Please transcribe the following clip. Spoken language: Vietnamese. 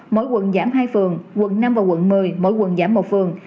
mỗi quận giảm hai phường quận năm và quận một mươi mỗi quận giảm một phường